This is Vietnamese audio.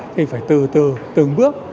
thì phải từ từ từng bước